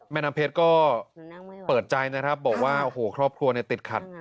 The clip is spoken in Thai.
แม่น้ำเพชรก็เปิดใจนะครับบอกว่าโอ้โหครอบครัวเนี่ยติดขัด